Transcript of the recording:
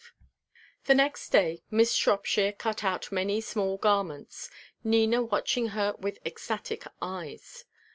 V The next day Miss Shropshire cut out many small garments, Nina watching her with ecstatic eyes.